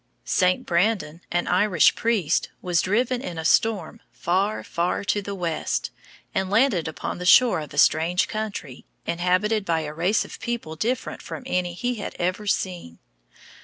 St. Brandon, an Irish priest, was driven in a storm far, far to the west, and landed upon the shore of a strange country, inhabited by a race of people different from any he had ever seen.